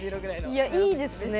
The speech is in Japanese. いやいいですね。